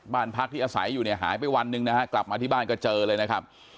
บ้านพักที่อาศัยอยู่เนี่ยหายไปวันหนึ่งนะฮะกลับมาที่บ้านก็เจอเลยนะครับ